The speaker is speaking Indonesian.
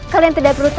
kalian tidak perlu takut